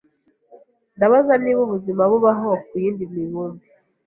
Ndabaza niba ubuzima bubaho ku yindi mibumbe.